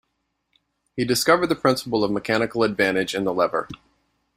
He discovered the principle of mechanical advantage in the lever.